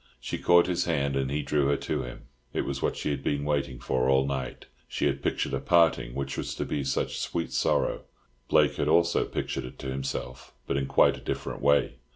She caught his hand, and he drew her to him. It was what she had been waiting for all night. She had pictured a parting, which was to be such sweet sorrow. Blake had also pictured it to himself, but in quite a different way.